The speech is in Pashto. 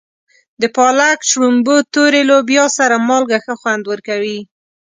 د پالک، شړومبو، تورې لوبیا سره مالګه ښه خوند ورکوي.